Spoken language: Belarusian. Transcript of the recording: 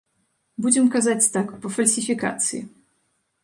Будзем казаць так, па фальсіфікацыі.